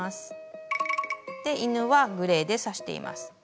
犬はグレーで刺しています。